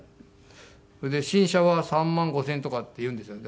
それで「新車は３万５０００円」とかって言うんですよ。